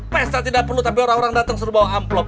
pesta tidak perlu tapi orang orang datang suruh bawa amplop